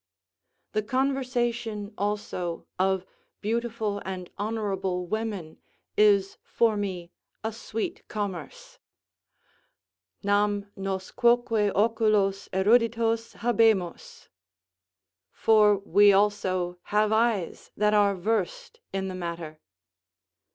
The conversation also of beautiful and honourable women is for me a sweet commerce: "Nam nos quoque oculos eruditos habemus." ["For we also have eyes that are versed in the matter."